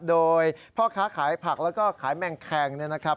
โดยพ่อค้าขายผักแล้วก็ขายแมงแคงเนี่ยนะครับ